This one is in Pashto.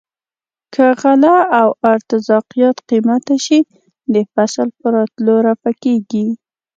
که غله او ارتزاقیات قیمته شي د فصل په راتلو رفع کیږي.